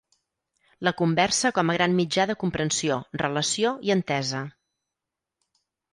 La conversa com a gran mitja de comprensió, relació i entesa.